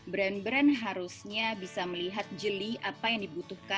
brand brand harusnya bisa melihat jeli apa yang dibutuhkan